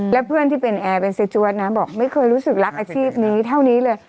แล้วเพื่อนที่เป็นแอร์เป็นเซจวดนะบอกไม่เคยรู้สึกรักอาชีพนี้เท่านี้เลย